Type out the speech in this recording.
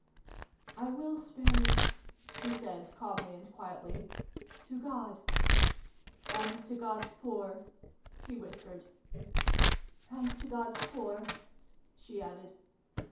" I will spare you," she said, calmly and quietly, "to God." "And to God's poor,' : he whispered. "And to God's poor," she added.